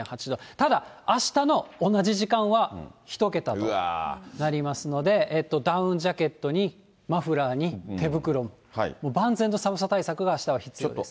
ただ、あしたの同じ時間は１桁となりますので、ダウンジャケットにマフラーに手袋、万全の寒さ対策があしたは必要です。